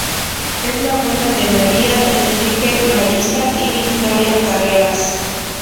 Es la abuela de María, Enrique, Marisa y Victoria Carreras.